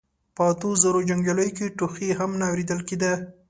په اتو زرو جنګياليو کې ټوخی هم نه اورېدل کېده.